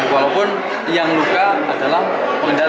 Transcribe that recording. walaupun yang luka adalah pengendara